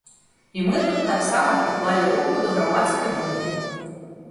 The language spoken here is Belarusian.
І мы тут таксама прыклалі руку да грамадскай думкі.